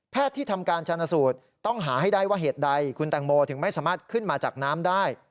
ที่ทำการชาญสูตรต้องหาให้ได้ว่าเหตุใดคุณแตงโมถึงไม่สามารถขึ้นมาจากน้ำได้